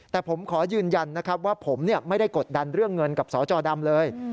แต่ผมขอยืนยันนะครับว่าผมไม่ได้กดดันเรื่องเงินกับสจดำเลย